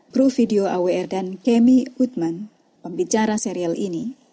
kru video awr dan kemi utman pembicara serial ini